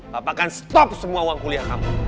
bapak akan stop semua uang kuliah kamu